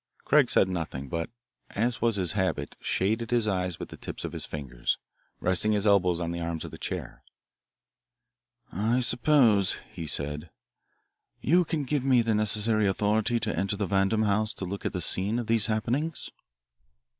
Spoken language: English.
Craig said nothing, but, as was his habit, shaded his eyes with the tips of his fingers, resting his elbows on the arms of his chair: "I suppose," he said, "you can give me the necessary authority to enter the Vandam house and look at the scene of these happenings?"